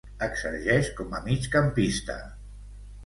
Exerceix com a migcampista.